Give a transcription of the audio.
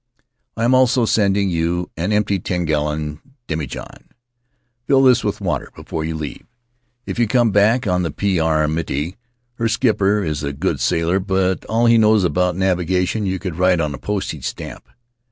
I am also sending you an emptv three gallon demijohn. Fill this with [ 202 ] Costly Hospitality water before you leave, if you come back on the P. 2?. Miti, her skipper, is a good sailor, but all he knows about navigation you could write on a postage stamp.